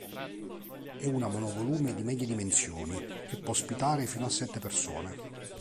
È una monovolume di medie dimensioni che può ospitare fino a sette persone.